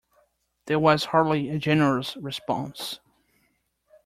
That was hardly a generous response.